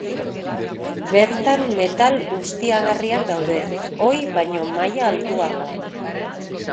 Bertan metal ustiagarriak daude, ohi baino maila altuagoan.